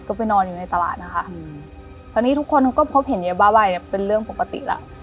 ก็ไปนอนอยู่ในตลาดนะคะอืมตอนนี้ทุกคนก็พบเห็นยาบ้าใบ้เนี้ยเป็นเรื่องปกติแล้ว